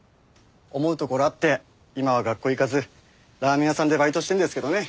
思うところあって今は学校行かずラーメン屋さんでバイトしてるんですけどね。